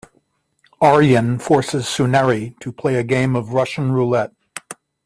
Aryan forces Sunehri to play a game of Russian roulette.